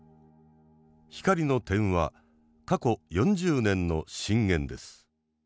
光の点は過去４０年の震源です。